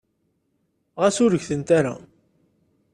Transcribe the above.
Ɣas ur gtent ara.